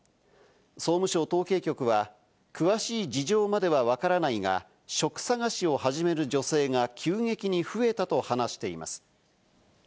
総務省統計局は詳しい事情まではわからないが、職探しを始める女性が急激に増えたと話しています。